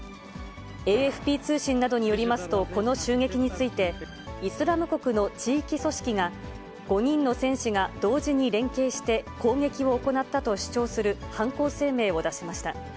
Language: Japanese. ＡＦＰ通信などによりますと、この襲撃について、イスラム国の地域組織が、５人の戦士が同時に連携して攻撃を行ったと主張する犯行声明を出しました。